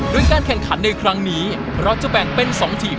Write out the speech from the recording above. โดยการแข่งขันในครั้งนี้เราจะแบ่งเป็น๒ทีม